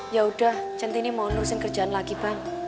ya udah centini mau nolosin kerjaan lagi bang